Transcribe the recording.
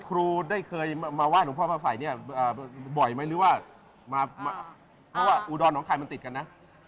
ครูได้เคยมาไหว้หลวงพ่อพระไฝเนี่ยบ่อยไหมหรือว่ามาเพราะว่าอุดรน้องไข่มันติดกันนะ